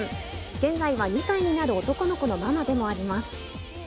現在は２歳になる男の子のママでもあります。